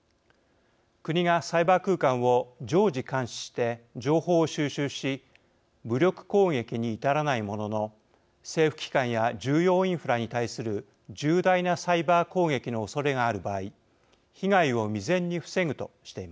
国がサイバー空間を常時監視して情報を収集し武力攻撃に至らないものの政府機関や重要インフラに対する重大なサイバー攻撃のおそれがある場合被害を未然に防ぐとしています。